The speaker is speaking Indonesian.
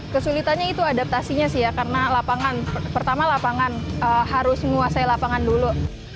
kesulitannya itu adaptasinya sih ya karena lapangan pertama lapangan harus menguasai lapangan dulu